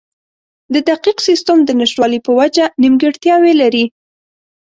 د دقیق سیستم د نشتوالي په وجه نیمګړتیاوې لري.